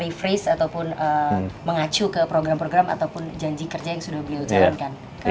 jadi apakah anda mengaku atau mengacu ke program program atau janji kerja yang sudah beliau carikan